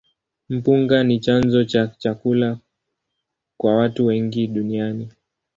Mpunga ni chanzo cha chakula kwa watu wengi duniani.